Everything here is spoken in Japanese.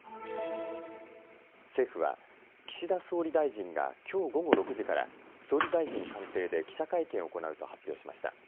政府は岸田総理大臣がきょう午後６時から総理大臣官邸で記者会見を行うと発表しました。